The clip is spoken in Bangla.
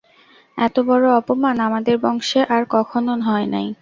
এত বড় অপমান আমাদের বংশে আর কখন হয় নাই।